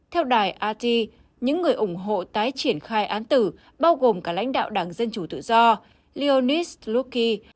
theo đài rt những người ủng hộ tái triển khai án tử bao gồm cả lãnh đạo đảng dân chủ tự do leonid sluky